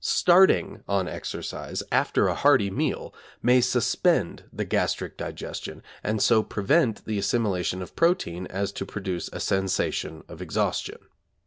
Starting on exercise after a hearty meal may suspend the gastric digestion, and so prevent the assimilation of protein as to produce a sensation of exhaustion.